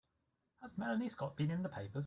Has Melanie Scott been in the papers?